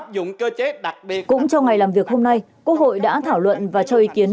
cũng trong ngày làm việc hôm nay quốc hội đã thảo luận và cho ý kiến